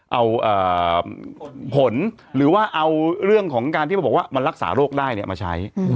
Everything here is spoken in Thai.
เอาอ่าผลหรือว่าเอาเรื่องของการที่เขาบอกว่ามันรักษาโรคได้เนี้ยมาใช้อืม